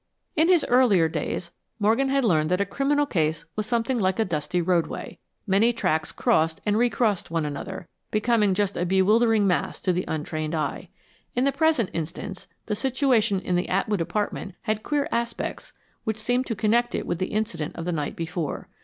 In his earlier days Morgan had learned that a criminal case was something like a dusty roadway. Many tracks crossed and re crossed one another, becoming just a bewildering mass to the untrained eye. In the present instance, the situation in the Atwood apartment had queer aspects which seemed to connect it with the incident of the night before.